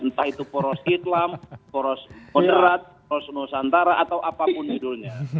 entah itu poros islam poros moderat poros nusantara atau apapun judulnya